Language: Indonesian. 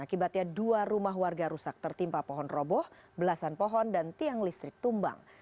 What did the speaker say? akibatnya dua rumah warga rusak tertimpa pohon roboh belasan pohon dan tiang listrik tumbang